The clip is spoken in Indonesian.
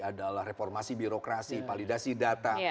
adalah reformasi birokrasi validasi data